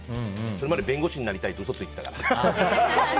それまで弁護士になりたいって嘘ついてたから。